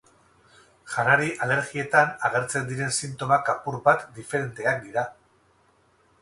Janari-alergietan agertzen diren sintomak apur bat diferenteak dira.